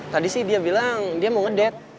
tadi sih dia bilang dia mau ngedet